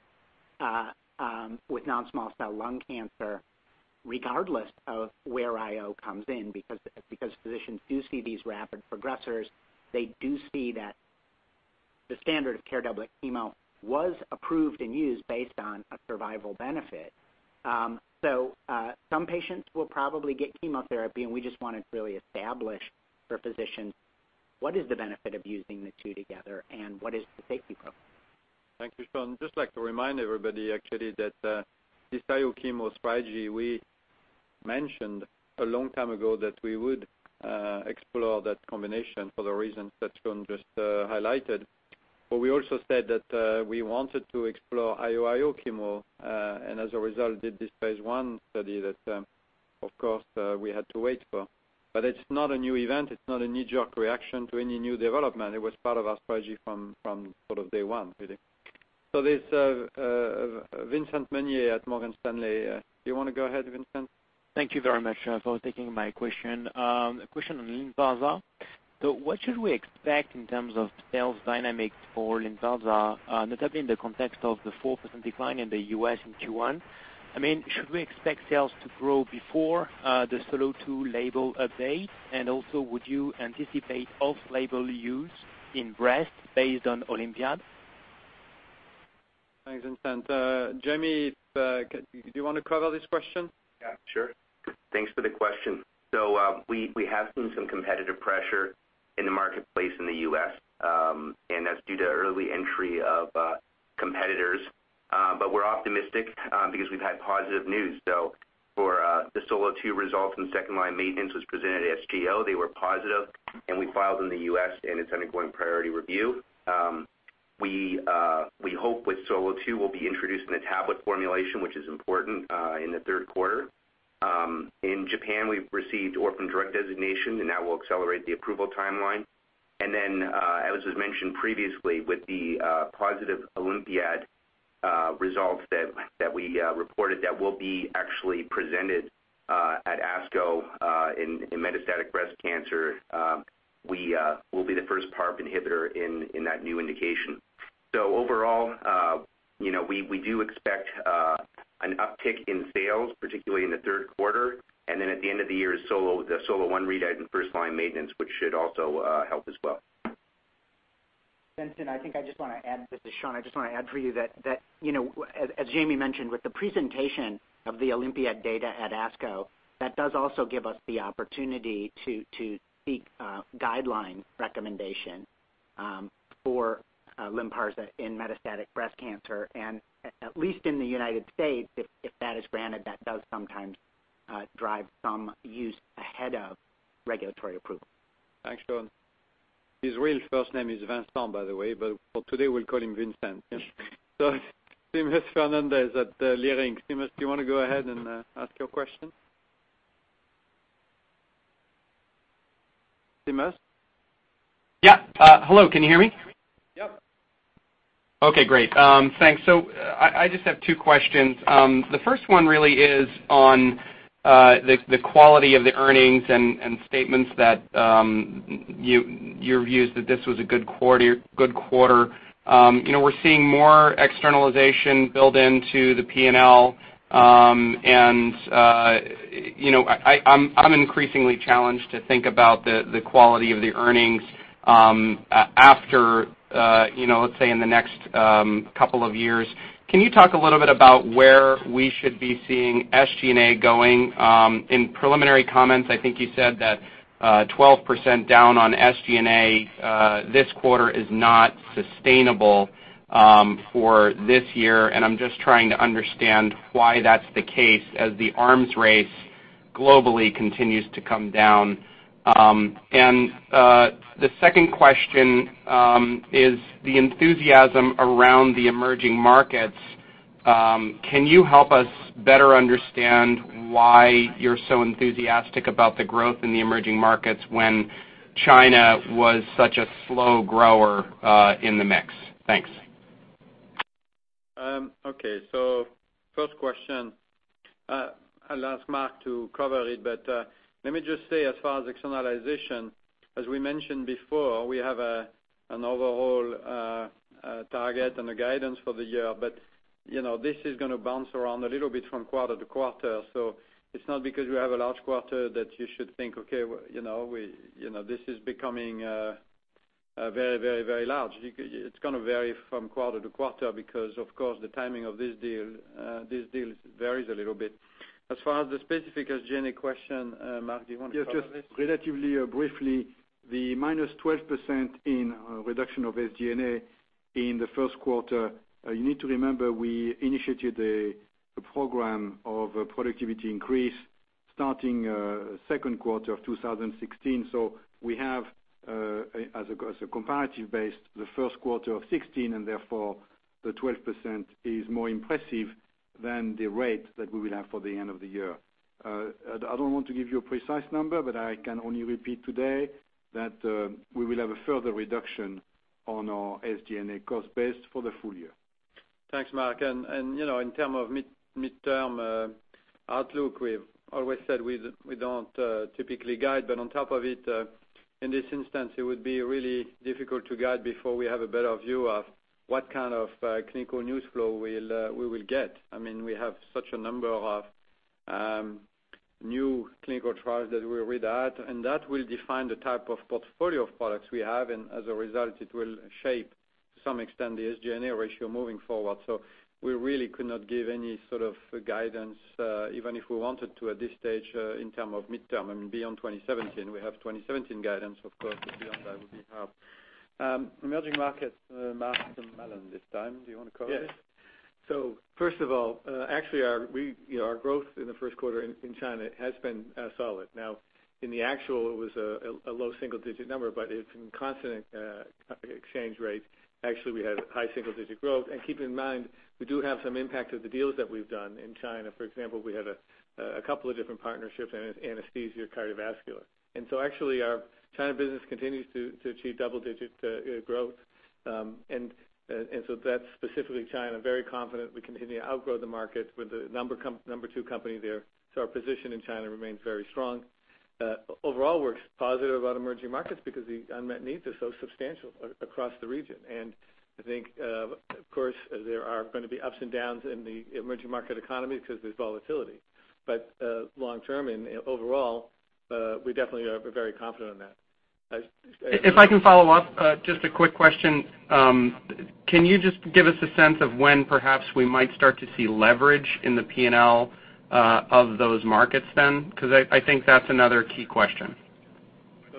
with non-small cell lung cancer, regardless of where IO comes in, because physicians do see these rapid progressors. They do see that the standard of care doublet chemo was approved and used based on a survival benefit. Some patients will probably get chemotherapy, and we just want to really establish for physicians what is the benefit of using the two together and what is the safety profile. Thank you, Sean. Just like to remind everybody actually that this IO chemo strategy, we mentioned a long time ago that we would explore that combination for the reasons that Sean just highlighted. We also said that we wanted to explore IO 2 chemo, and as a result, did this phase I study that, of course, we had to wait for. It's not a new event. It's not a knee-jerk reaction to any new development. It was part of our strategy from sort of day one, really. There's Vincent Meunier at Morgan Stanley. Do you want to go ahead, Vincent? Thank you very much for taking my question. A question on Lynparza. What should we expect in terms of sales dynamics for Lynparza, notably in the context of the 4% decline in the U.S. in Q1? Should we expect sales to grow before the SOLO2 label update? Also, would you anticipate off-label use in breast based on OlympiAD? Thanks, Vincent. Jamie, do you want to cover this question? Yeah, sure. Thanks for the question. We have seen some competitive pressure in the marketplace in the U.S., and that's due to early entry of competitors. We're optimistic because we've had positive news. For the SOLO2 results in 2nd-line maintenance was presented at SGO. They were positive, and we filed in the U.S., and it's undergoing priority review. We hope with SOLO2, we'll be introducing a tablet formulation, which is important, in the third quarter. In Japan, we've received orphan drug designation, and that will accelerate the approval timeline. Then, as was mentioned previously, with the positive OlympiAD results that we reported that will be actually presented at ASCO in metastatic breast cancer, we will be the first PARP inhibitor in that new indication. Overall, we do expect an uptick in sales, particularly in the third quarter. At the end of the year is the SOLO1 readout in 1st-line maintenance, which should also help as well. Vincent, this is Sean. I just want to add for you that, as Jamie mentioned, with the presentation of the OlympiAD data at ASCO, that does also give us the opportunity to seek guideline recommendation for LYNPARZA in metastatic breast cancer. At least in the United States, if that is granted, that does sometimes drive some use ahead of regulatory approval. Thanks, Sean. His real first name is Vincent, by the way, but for today, we'll call him Vincent. Seamus Fernandez at Leerink. Seamus, do you want to go ahead and ask your question? Seamus? Yeah. Hello, can you hear me? Yep. Okay, great. Thanks. I just have two questions. The first one really is on the quality of the earnings and statements that your view is that this was a good quarter. We're seeing more externalization build into the P&L, and I'm increasingly challenged to think about the quality of the earnings after, let's say, in the next couple of years. Can you talk a little bit about where we should be seeing SG&A going? In preliminary comments, I think you said that- 12% down on SG&A this quarter is not sustainable for this year, and I'm just trying to understand why that's the case as the arms race globally continues to come down. The second question is the enthusiasm around the emerging markets. Can you help us better understand why you're so enthusiastic about the growth in the emerging markets when China was such a slow grower in the mix? Thanks. First question, I will ask Marc to cover it, but let me just say, as far as externalization, as we mentioned before, we have an overall target and a guidance for the year. This is going to bounce around a little bit from quarter to quarter. It is not because you have a large quarter that you should think, okay, this is becoming very large. It is going to vary from quarter to quarter because, of course, the timing of these deals varies a little bit. As far as the specific SG&A question, Marc, do you want to cover this? Yes. Just relatively briefly, the minus 12% in reduction of SG&A in the first quarter, you need to remember, we initiated a program of productivity increase starting second quarter of 2016. We have, as a comparative base, the first quarter of 2016, and therefore, the 12% is more impressive than the rate that we will have for the end of the year. I do not want to give you a precise number, I can only repeat today that we will have a further reduction on our SG&A cost base for the full year. Thanks, Marc. In terms of midterm outlook, we have always said we do not typically guide. On top of it, in this instance, it would be really difficult to guide before we have a better view of what kind of clinical news flow we will get. We have such a number of new clinical trials that we read out, and that will define the type of portfolio of products we have, and as a result, it will shape, to some extent, the SG&A ratio moving forward. We really could not give any sort of guidance, even if we wanted to at this stage, in terms of midterm. Beyond 2017, we have 2017 guidance, of course, beyond that would be hard. Emerging markets, Marc and Mallon this time. Do you want to cover it? Yes. First of all, actually, our growth in the first quarter in China has been solid. Now, in the actual, it was a low single-digit number, it is in constant exchange rate. Actually, we had high single-digit growth. Keep in mind, we do have some impact of the deals that we have done in China. For example, we had a couple of different partnerships in anesthesia, cardiovascular. Actually our China business continues to achieve double-digit growth. That is specifically China, very confident we continue to outgrow the market. We are the number 2 company there. Our position in China remains very strong. Overall, we are positive about emerging markets because the unmet needs are so substantial across the region. I think, of course, there are going to be ups and downs in the emerging market economy because there is volatility. Long term and overall, we definitely are very confident in that. If I can follow up, just a quick question. Can you just give us a sense of when perhaps we might start to see leverage in the P&L of those markets then? I think that's another key question.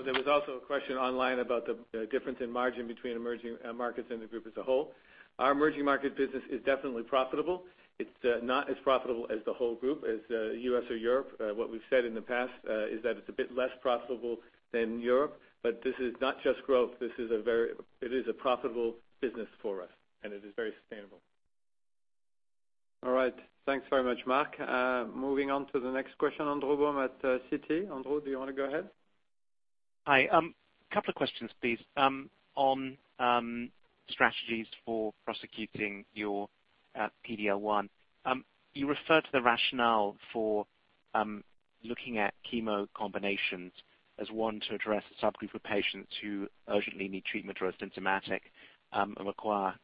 There was also a question online about the difference in margin between emerging markets and the group as a whole. Our emerging market business is definitely profitable. It's not as profitable as the whole group, as U.S. or Europe. What we've said in the past is that it's a bit less profitable than Europe, but this is not just growth. It is a profitable business for us, and it is very sustainable. All right. Thanks very much, Marc. Moving on to the next question, Andrew Baum at Citi. Andrew, do you want to go ahead? Hi. Couple of questions, please on strategies for prosecuting your PD-L1. You referred to the rationale for looking at chemo combinations as one to address a subgroup of patients who urgently need treatment or are symptomatic and require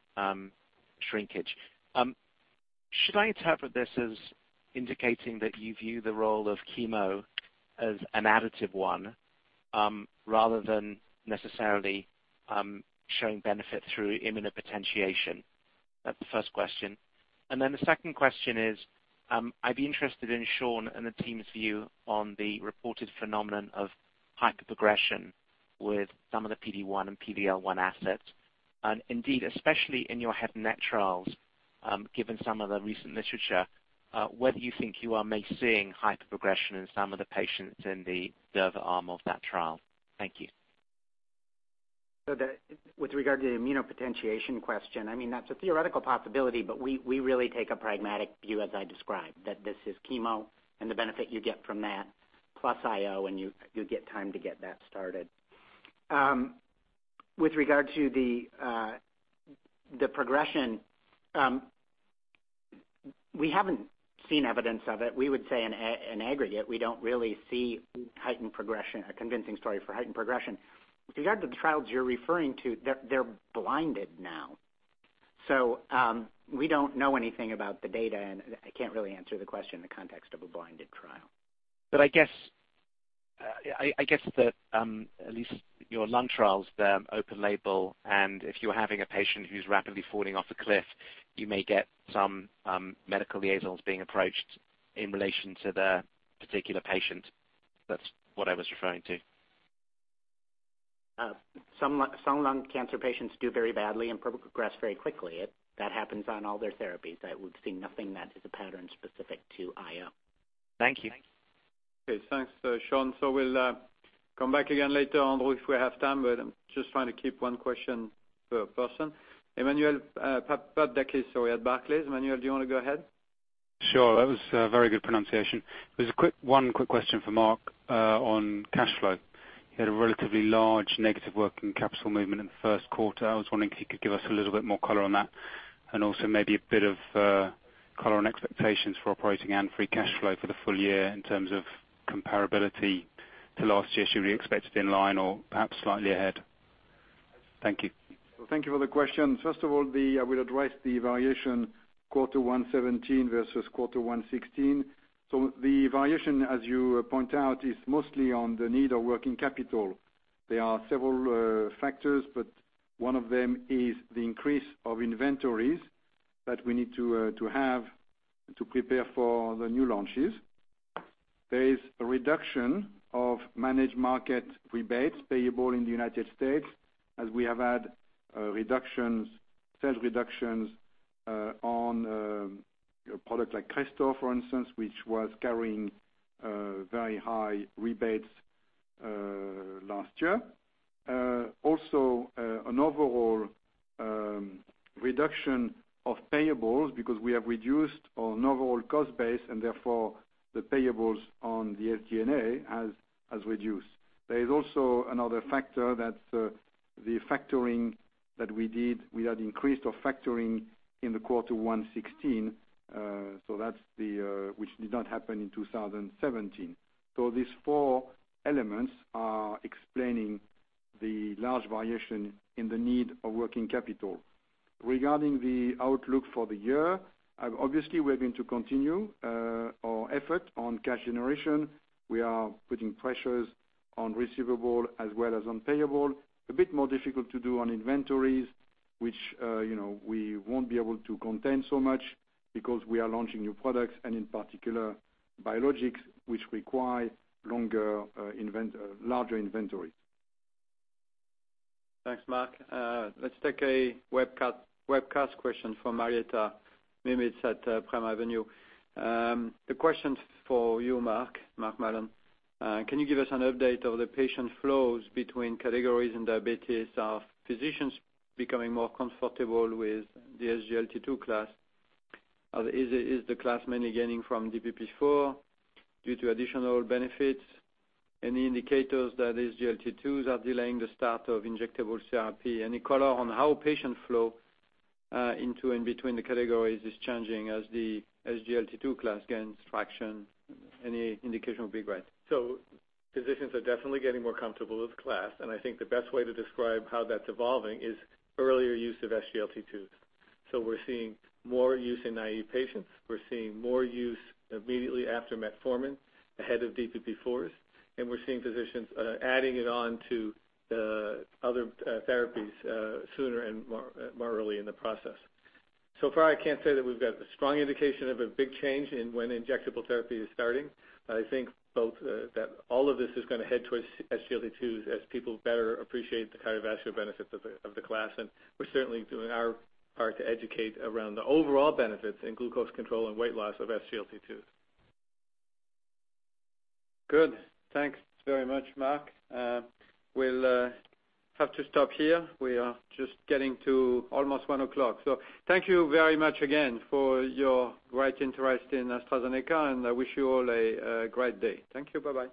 shrinkage. Should I interpret this as indicating that you view the role of chemo as an additive one rather than necessarily showing benefit through immunopotentiation? That's the first question. The second question is, I'd be interested in Sean and the team's view on the reported phenomenon of hyperprogression with some of the PD-1 and PD-L1 assets, and indeed, especially in your head and neck trials, given some of the recent literature, whether you think you are may seeing hyperprogression in some of the patients in the durvalumab arm of that trial. Thank you. With regard to the immunopotentiation question, that's a theoretical possibility, we really take a pragmatic view as I described, that this is chemo and the benefit you get from that, plus IO when you get time to get that started. With regard to the progression, we haven't seen evidence of it. We would say in aggregate, we don't really see a convincing story for heightened progression. With regard to the trials you're referring to, they're blinded now. We don't know anything about the data, and I can't really answer the question in the context of a blinded trial. I guess that at least your lung trials, they're open label, and if you're having a patient who's rapidly falling off a cliff, you may get some medical liaisons being approached in relation to the particular patient. That's what I was referring to. Some lung cancer patients do very badly and progress very quickly. That happens on all their therapies. We've seen nothing that is a pattern specific to IO. Thank you. Okay, thanks, Sean. We'll come back again later on if we have time, I'm just trying to keep one question per person. Emmanuel Papadakis, sorry, at Barclays. Emmanuel, do you want to go ahead? Sure. That was a very good pronunciation. There's one quick question for Marc on cash flow. You had a relatively large negative working capital movement in the first quarter. I was wondering if you could give us a little bit more color on that, and also maybe a bit of color on expectations for operating and free cash flow for the full year in terms of comparability to last year. Should we expect it in line or perhaps slightly ahead? Thank you. Thank you for the question. First of all, I will address the variation quarter 2017 versus quarter 2016. The variation, as you point out, is mostly on the need of working capital. There are several factors, but one of them is the increase of inventories that we need to have to prepare for the new launches. There is a reduction of managed market rebates payable in the U.S. as we have had sales reductions on a product like Crestor, for instance, which was carrying very high rebates last year. Also, an overall reduction of payables because we have reduced our overall cost base, therefore, the payables on the FGNA has reduced. There is also another factor, that's the factoring that we did. We had increased our factoring in the quarter 2016, which did not happen in 2017. These four elements are explaining the large variation in the need of working capital. Regarding the outlook for the year, obviously, we're going to continue our effort on cash generation. We are putting pressures on receivable as well as on payable. A bit more difficult to do on inventories, which we won't be able to contain so much because we are launching new products and in particular biologics, which require larger inventories. Thanks, Marc. Let's take a webcast question from Marietta Miemis at Prime Avenue. The question's for you, Mark Mallon. Can you give us an update of the patient flows between categories in diabetes? Are physicians becoming more comfortable with the SGLT2 class? Is the class mainly gaining from DPP-4 due to additional benefits? Any indicators that SGLT2s are delaying the start of injectable CRP? Any color on how patient flow into and between the categories is changing as the SGLT2 class gains traction? Any indication would be great. Physicians are definitely getting more comfortable with the class. I think the best way to describe how that's evolving is earlier use of SGLT2s. We're seeing more use in naive patients. We're seeing more use immediately after metformin, ahead of DPP-4s, and we're seeing physicians adding it on to the other therapies sooner and more early in the process. So far, I can't say that we've got a strong indication of a big change in when injectable therapy is starting. I think both that all of this is going to head towards SGLT2s as people better appreciate the cardiovascular benefits of the class. We're certainly doing our part to educate around the overall benefits in glucose control and weight loss of SGLT2s. Good. Thanks very much, Marc. We'll have to stop here. We are just getting to almost 1:00. Thank you very much again for your great interest in AstraZeneca, and I wish you all a great day. Thank you. Bye-bye.